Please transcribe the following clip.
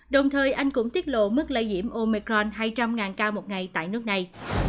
đồng thời anh cũng tiết lộ mức lây nhiễm omecron hai trăm linh ca một ngày tại nước này